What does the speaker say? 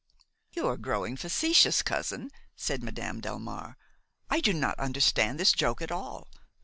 "You are growing facetious, cousin," said Madame Delmare; "I do not understand this joke at all.